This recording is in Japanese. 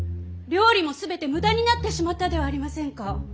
料理も全て無駄になってしまったではありませんか！